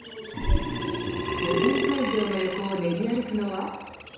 予選会場の横を練り歩くのは。